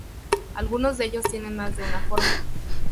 Algunos de ellos tienen más de una forma.